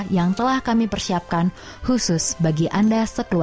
yang telah kami persiapkan khusus bagi anda